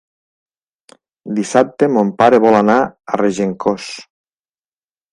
Dissabte mon pare vol anar a Regencós.